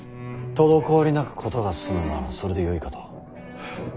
滞りなく事が進むのならばそれでよいかと。